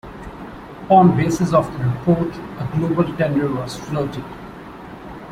On basis of the report, a global tender was floated.